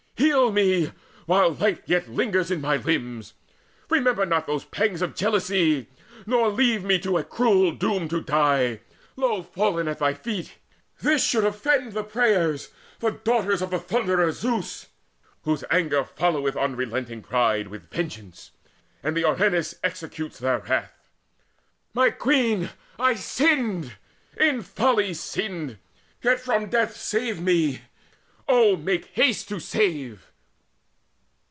Heal me, while life yet lingers in my limbs! Remember not those pangs of jealousy, Nor leave me by a cruel doom to die Low fallen at thy feet! This should offend The Prayers, the Daughters of the Thunderer Zeus, Whose anger followeth unrelenting pride With vengeance, and the Erinnys executes Their wrath. My queen, I sinned, in folly sinned; Yet from death save me oh, make haste to save!"